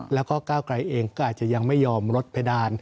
แล้วก็ก้าวไกลเองก็อาจจะยังไม่ยอมลดเพดาน